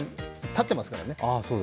立ってますからね。